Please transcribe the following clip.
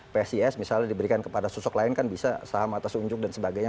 psis misalnya diberikan kepada sosok lain kan bisa saham atas unjuk dan sebagainya